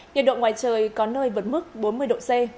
nhiệt độ ngoài trời có nơi vượt mức bốn mươi độ c